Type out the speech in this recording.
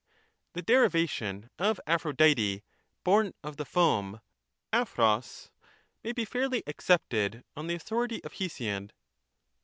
The derivation of Aphrodite, born of the foam {d(j)pbc), Aphrodite. may be fairly accepted on the authority of Hesiod.